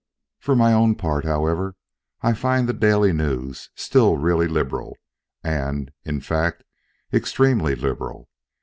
For my own part, however, I find the Daily News still really liberal, and, in fact, extremely liberal.